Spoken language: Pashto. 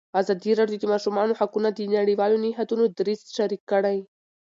ازادي راډیو د د ماشومانو حقونه د نړیوالو نهادونو دریځ شریک کړی.